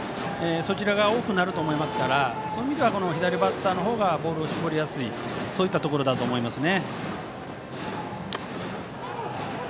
そちらが多くなると思いますからそういう意味では左バッターの方がボールを絞りやすいといったところだと思いますね。